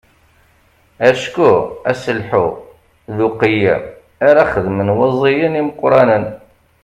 Acku aselḥu d uqeyyem ara xedmen waẓiyen imeqqranen.